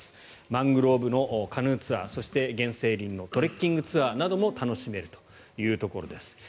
マングローブのカヌーツアーそして原生林のトレッキングツアーも楽しめるというところです。